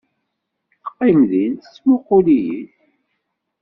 Teqqim din, tettmuqqul-iyi-d.